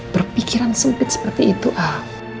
berpikiran sempit seperti itu ah